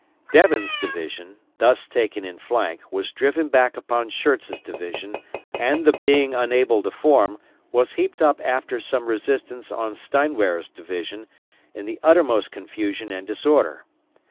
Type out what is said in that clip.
Devens' division, thus taken in flank, was driven back upon Schurz's division, and the being unable to form, was heaped up after some resistance on Steinwehr's division, in the uttermost confusion and disorder.